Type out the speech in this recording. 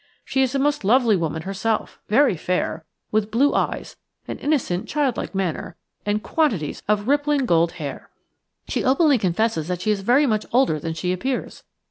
She is a most lovely woman herself, very fair, with blue eyes, an innocent, childlike manner, and quantities of rippling gold hair. She openly confesses that she is very much older than she appears.